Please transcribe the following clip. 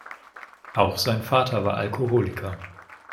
Auch sein Vater war Alkoholiker.